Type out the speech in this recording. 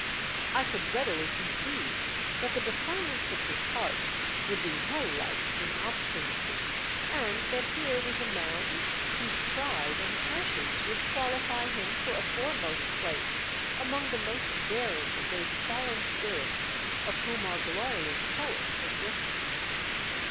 I could readily conceive that the defiance of his heart would be hell like in obstinacy, and that here was a man whose pride and passions would qualify him for a foremost place among the most daring of those fallen spirits of whom our glorious poet has written.